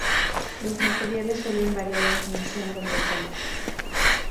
Los materiales suelen variar en función del deporte.